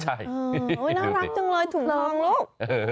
ใช่น่ารักจังเลยถุงทองลูก